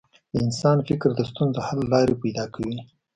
د انسان فکر د ستونزو حل لارې پیدا کوي.